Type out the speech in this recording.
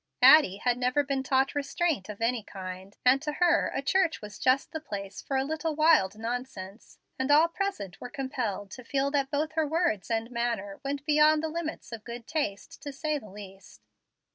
Addie had never been taught restraint of any kind, and to her a church was just the place for a little wild nonsense, and all present were compelled to feel that both her words and manner went beyond the limits of good taste, to say the least.